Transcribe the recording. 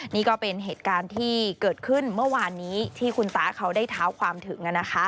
นี่ก็เป็นเหตุการณ์ที่เกิดขึ้นเมื่อวานนี้ที่คุณตาเขาได้เท้าความถึง